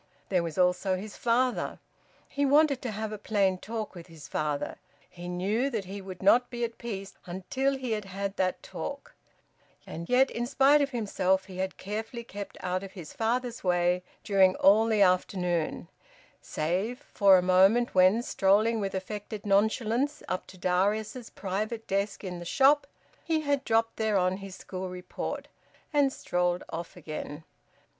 There was also his father. He wanted to have a plain talk with his father he knew that he would not be at peace until he had had that talk and yet in spite of himself he had carefully kept out of his father's way during all the afternoon, save for a moment when, strolling with affected nonchalance up to Darius's private desk in the shop, he had dropped thereon his school report, and strolled off again.